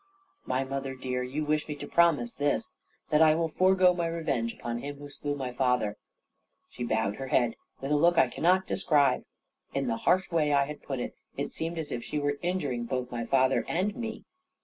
"My mother dear, you wish me to promise this that I will forego my revenge upon him who slew my father." She bowed her head, with a look I cannot describe. In the harsh way I had put it, it seemed as if she were injuring both my father and me.